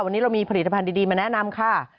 วันนี้เรามีผลิตภัณฑ์ดีมาแนะนำค่ะ